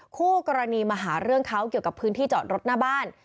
คู่กรณีมาหาเรื่องเขาเกี่ยวกับพื้นที่จอดรถหน้าบ้าน